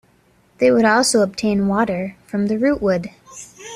They would also obtain water from the rootwood.